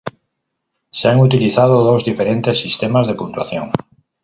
Se han utilizado dos diferentes sistemas de puntuación.